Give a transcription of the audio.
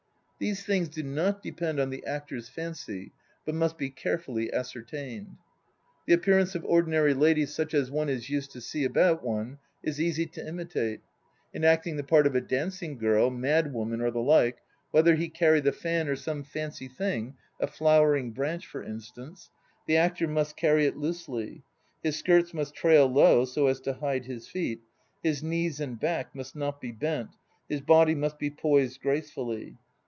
These things do not depend on the actor's fancy but must be carefully ascertained. The appearance of ordinary ladies such as one is used to see about one is easy to imitate. ... In acting the part of a dancing irirl. mad woman or the like, whether he carry the fan or some fancy tiling (a flowering branch, for instance) the actor must carry it loosely; his skirts must trail low so as to hide his feet; his knees and back must not be bent, his body must be poised gracefully.